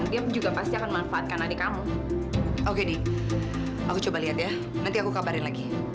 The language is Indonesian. sampai jumpa di video selanjutnya